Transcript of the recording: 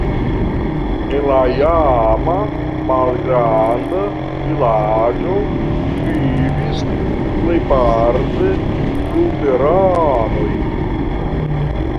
En la iama malgranda vilaĝo vivis plejparte luteranoj.